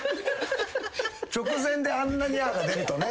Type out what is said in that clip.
直前であんな「にゃー」が出るとね。